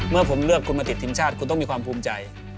เมื่อผมเลือกคุณมาติดทีมชาติคุณต้องมีความภูมิใจ